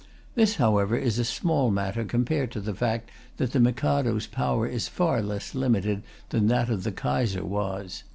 This, however, is a small matter compared to the fact that the Mikado's power is far less limited than that of the Kaiser was.